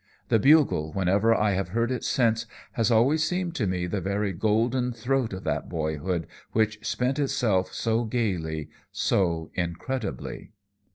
The bugle, whenever I have heard it since, has always seemed to me the very golden throat of that boyhood which spent itself so gaily, so incredibly.